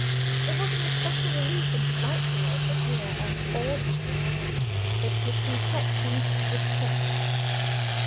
It was an especial relief and delight to her to hear, on all sides, that his complexion was fair.